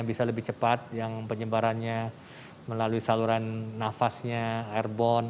bisa lebih cepat yang penyebarannya melalui saluran nafasnya airborne